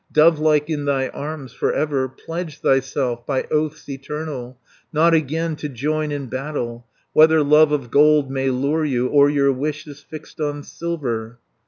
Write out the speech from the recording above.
Dove like in thy arms for ever, Pledge thyself by oaths eternal, Not again to join in battle, Whether love of gold may lure you, Or your wish is fixed on silver."